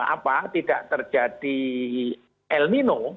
apa tidak terjadi el nino